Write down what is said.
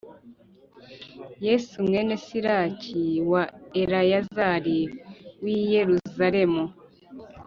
Yezu mwene Siraki, wa Eleyazari w’i Yeruzalemu,